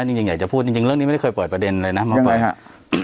จริงจริงอยากจะพูดจริงจริงเรื่องนี้ไม่ได้เคยเปิดประเด็นเลยนะยังไงฮะ